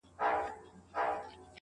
چي ته نه يې زما په ژونــــد كــــــي